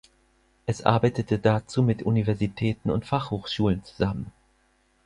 Es arbeitete dazu mit Universitäten und Fachhochschulen zusammen.